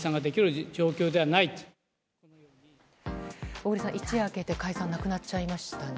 小栗さん、一夜明けて解散なくなっちゃいましたね。